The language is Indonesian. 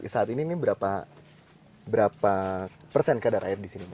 saat ini ini berapa persen kadar air di sini